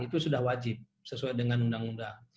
itu sudah wajib sesuai dengan undang undang